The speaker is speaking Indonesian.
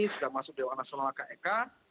sudah masuk dewan nasional kek